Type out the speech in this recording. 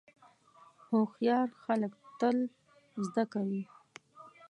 هوښیار خلک تل زده کوي.